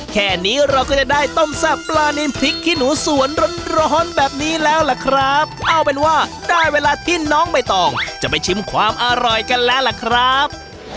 แค่นี้เราก็จะได้ต้มแซ่บปลานินพริกขี้หนูสวนร้อนร้อนแบบนี้แล้วล่ะครับเอาเป็นว่าได้เวลาที่น้องใบตองจะไปชิมความอร่อยกันแล้วล่ะครับ